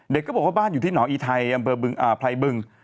ก็บอกว่าบ้านอยู่ที่หนองอีไทยอำเภอไพรบึง